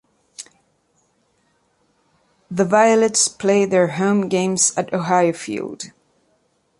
The Violets played their home games at Ohio Field.